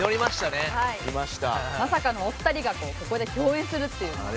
まさかのお二人がここで共演するっていう。